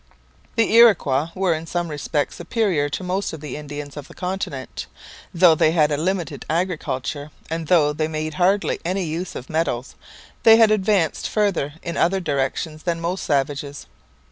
The Iroquois were in some respects superior to most of the Indians of the continent. Though they had a limited agriculture, and though they made hardly any use of metals, they had advanced further in other directions than most savages.